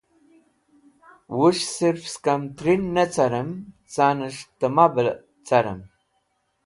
Wus̃h sirf skam trin ne carẽm canẽs̃h tẽma bẽ carẽm.